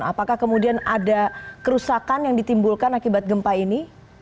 apakah kemudian ada kerusakan yang ditimbulkan akibat gempa ini